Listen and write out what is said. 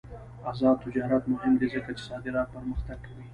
آزاد تجارت مهم دی ځکه چې صادرات پرمختګ کوي.